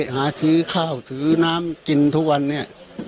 หาซื้อข้าวถือน้ำกินทุกวันเนี่ย